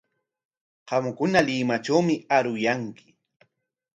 Qamkuna Limatrawmi aruyanki.